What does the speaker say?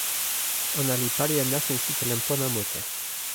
ona li pali e nasin sitelen pona mute.